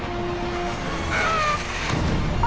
ああ。